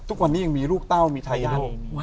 ทุกวันนี้ยังมีลูกเต้ามีทายาท